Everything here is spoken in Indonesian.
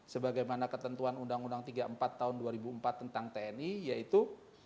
sebagaimana ketentuan undang undang tiga puluh empat tahun dua ribu empat tentang tni yaitu